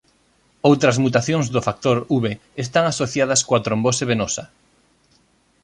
Outras mutacións do factor V están asociadas coa trombose venosa.